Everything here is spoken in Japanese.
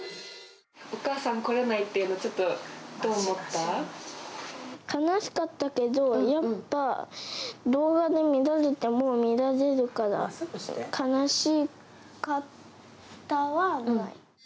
お母さん来れないっていうの、悲しかったけど、やっぱ動画で見られてももう見られるから、悲しかったはない。